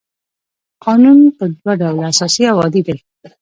قانون په دوه ډوله اساسي او عادي دی.